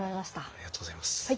ありがとうございます。